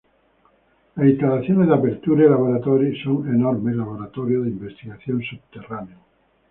Las instalaciones de Aperture Laboratories son un enorme laboratorio de investigación subterráneo.